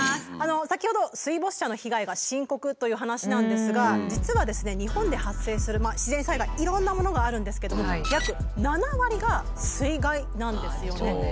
先ほど水没車の被害が深刻という話なんですが実は日本で発生する自然災害いろんなものがあるんですけども約７割が水害なんですよね。